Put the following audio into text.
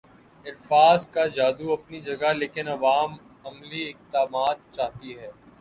الفاظ کا جادو اپنی جگہ لیکن عوام عملی اقدامات چاہتی ہے